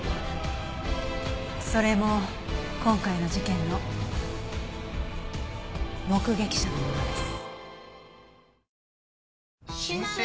それも今回の事件の目撃者のものです。